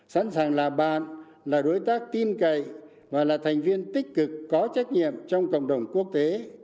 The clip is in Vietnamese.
sẵn sàng là bạn là đối tác tin cậy và là thành viên tích cực có trách nhiệm trong cộng đồng quốc tế